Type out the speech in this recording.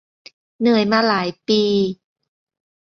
เหนื่อยมาหลายปี